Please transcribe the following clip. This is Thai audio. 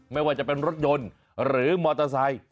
ไม่ว่าจะเป็นรถยนต์หรือมอเตอร์ไซค์